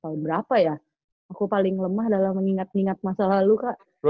tahun berapa ya aku paling lemah dalam mengingat ingat masa lalu kak